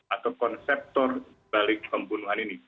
atau konseptor balik pembunuhan ini